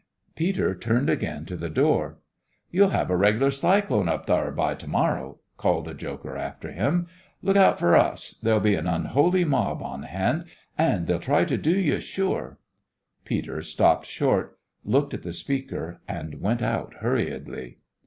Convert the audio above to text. Peter turned again to the door. "You'll have a reg'lar cyclone up thar by to morrow!" called a joker after him; "look out fer us! There'll be an unholy mob on hand, and they'll try to do you, sure!" Peter stopped short, looked at the speaker, and went out hurriedly.